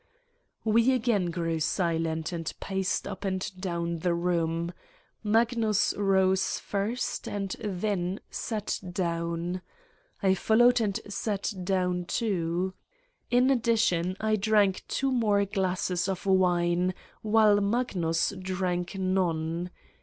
We again grew silent and paced up and down the room: Magnus rose first and then sat down. I followed and sat down too. In addition, I drank two more glasses of wine while Magnus drank none.